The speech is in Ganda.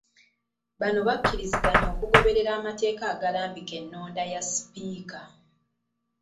Bano bakkiriziganyiza okugoberera amateeka agalambika ennonda ya Sipiika.